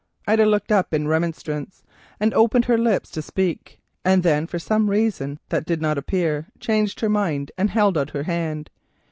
Ida looked up in remonstrance, and opened her lips to speak, and then for some reason that did not appear changed her mind and held out her hand.